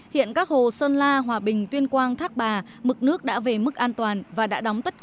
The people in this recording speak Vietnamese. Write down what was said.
hiện các hồ sơn la hòa bình tuyên quang thác bà mực nước đã về mức an toàn